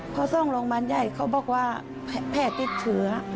พอส่งโรงพยาบาลใหญ่เขาบอกว่าแผลติดเชื้อ